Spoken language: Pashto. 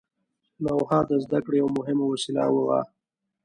لوحه د زده کړې یوه مهمه وسیله وه.